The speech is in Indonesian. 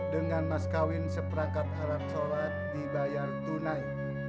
dengan mas kawin seperangkat alat sholat di bayar tunai